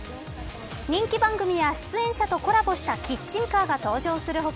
人気番組や出演者とコラボしたキッチンカーが登場する他